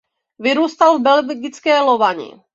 Vyrůstal v belgické Lovani.